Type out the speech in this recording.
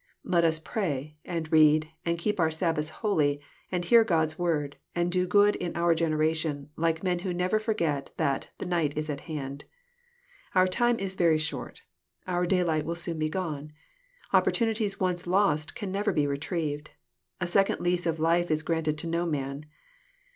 Let us pray, and read, and keep our Sabbaths holy, and hear God's Word, and do good in our generation, like men who never forget that " the night is at hand." Our time is very short. j Our daylight will soon be gone. Opportunities once lost / can never be retrieved. A second lease of life is granted to no man.